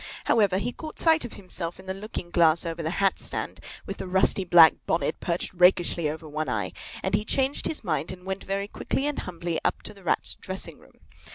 However, he caught sight of himself in the looking glass over the hat stand, with the rusty black bonnet perched rakishly over one eye, and he changed his mind and went very quickly and humbly upstairs to the Rat's dressing room.